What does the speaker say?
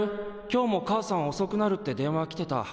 今日も母さんおそくなるって電話来てた。